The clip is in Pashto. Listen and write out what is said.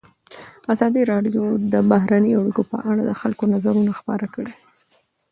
ازادي راډیو د بهرنۍ اړیکې په اړه د خلکو نظرونه خپاره کړي.